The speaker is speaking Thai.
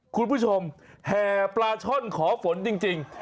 ทุกผู้ชมแห่ปลาช่อนขอฝนจริง